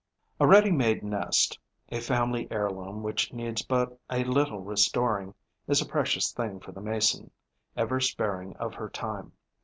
A ready made nest, a family heirloom which needs but a little restoring, is a precious thing for the Mason, ever sparing of her time.